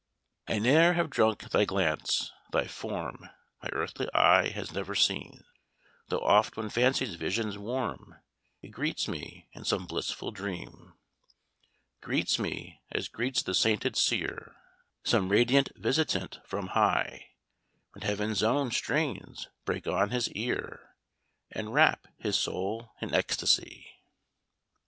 "I ne'er have drunk thy glance thy form My earthly eye has never seen, Though oft when fancy's visions warm, It greets me in some blissful dream. "Greets me, as greets the sainted seer Some radiant visitant from high, When heaven's own strains break on his ear, And wrap his soul in ecstasy."